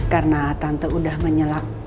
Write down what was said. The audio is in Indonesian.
karena tante udah menyalak